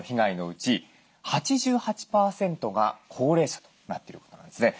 うち８８％が高齢者となってることなんですね。